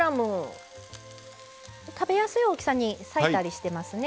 食べやすい大きさに裂いたりしてますね。